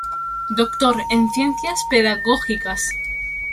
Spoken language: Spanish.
Doctor en Ciencias Pedagógicas.